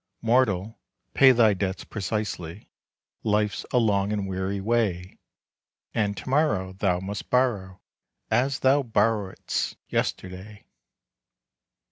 Mortal, pay thy debts precisely, Life's a long and weary way; And to morrow thou must borrow, As thou borrow'dst yesterday.